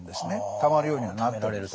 たまるようにはなったんです。